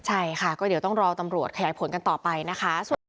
ใช่ค่ะก็เดี๋ยวต้องรอตำรวจขยายผลกันต่อไปนะคะ